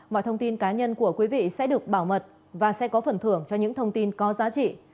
mọi thông tin cá nhân của quý vị sẽ được bảo mật và sẽ có phần thưởng cho những thông tin có giá trị